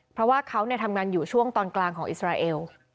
เพราะว่าเขาทำงานอยู่ช่วงตอนกลางของอิสราเอล